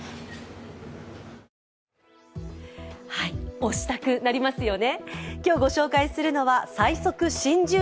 おしたくなりますよね。